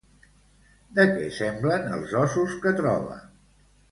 De què semblen els ossos que troba?